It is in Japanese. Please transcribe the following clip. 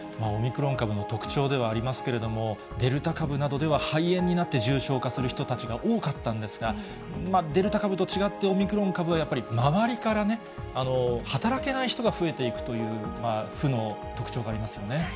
オミクロン株の特徴ではありますけれども、デルタ株などでは肺炎になって、重症化する人たちが多かったんですが、デルタ株と違って、オミクロン株はやっぱり周りからね、働けない人が増えていくという、負の特徴がありますよね。